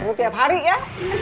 kalo ketemu tiap hari ya